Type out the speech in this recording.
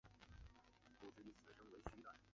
原为泰雅族芃芃社。